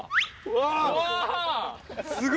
うわ！